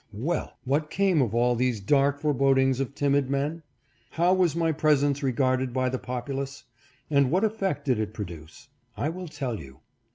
Well ! what came of all these dark forebodings of timid men ? How was my presence regarded by the populace ? and what effect did it produce ? I will tell you.